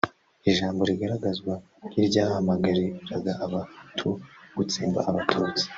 ijambo rigaragazwa nk’iryahamagariraga Abahutu gutsemba Abatutsi